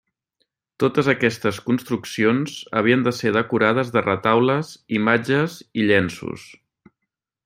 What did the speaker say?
Totes aquestes construccions havien de ser decorades de retaules, imatges i llenços.